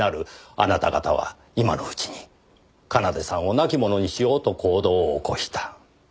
あなた方は今のうちに奏さんを亡き者にしようと行動を起こした。